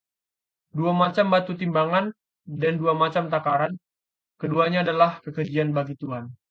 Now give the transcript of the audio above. Dua macam batu timbangan dan dua macam takaran, keduanya adalah kekejian bagi Tuhan.